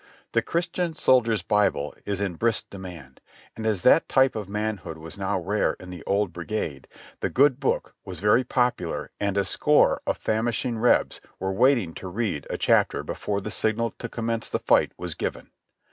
The Christian soldier's Bible is in brisk demand, and as that type of manhood was now rare in the old brigade, the "Good Book" was very popular and a score of famishing Rebs were waiting to read a chapter before the signal to commence the fight was given.